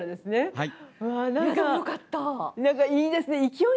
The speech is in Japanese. はい。